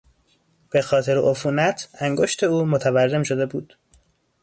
به خاطر عفونت انگشت او متورم شده بود.